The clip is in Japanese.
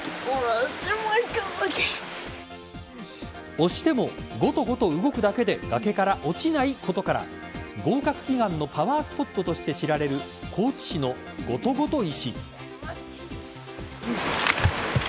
押してもゴトゴト動くだけで崖から落ちないことから合格祈願のパワースポットとして知られる高知市のゴトゴト石。